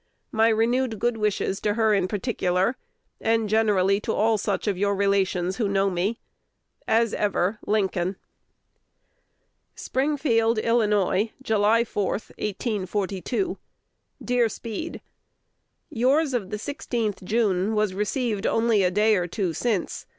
My renewed good wishes to her in particular, and generally to all such of your relations who know me. As ever, Lincoln. Springfield, Ill., July 4, 1842. Dear Speed, Yours of the 16th June was received only a day or two since.